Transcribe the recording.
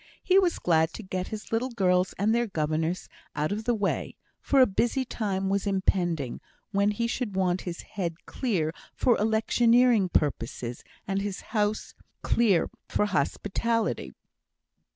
He was glad to get his little girls and their governess out of the way; for a busy time was impending, when he should want his head clear for electioneering purposes, and his house clear for electioneering hospitality.